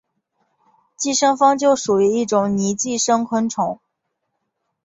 寄生蜂就属于一种拟寄生昆虫。